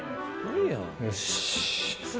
よし。